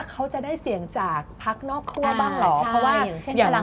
เขาจะได้เสียงจากพักนอกคั่วบ้างเหรอ